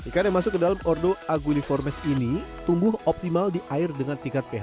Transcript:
ketam dalam ordo aguliformes ini tumbuh optimal di air dengan tingkat ph tujuh delapan